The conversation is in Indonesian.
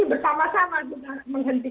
bukan hanya di negara kita sendiri